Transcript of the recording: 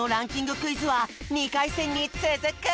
クイズは２かいせんにつづく！